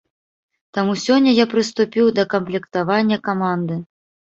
Таму сёння я прыступіў да камплектавання каманды.